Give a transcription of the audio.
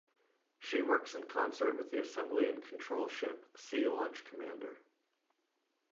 She works in concert with the assembly and control ship "Sea Launch Commander".